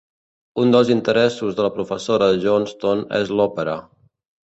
Un dels interessos de la professora Johnstone és l'òpera.